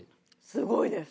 すごいです。